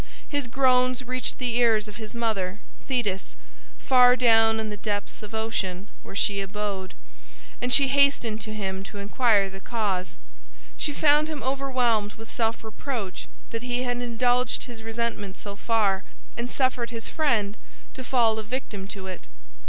His groans reached the ears of his mother, Thetis, far down in the deeps of ocean where she abode, and she hastened to him to inquire the cause. She found him overwhelmed with self reproach that he had indulged his resentment so far, and suffered his friend to fall a victim to it.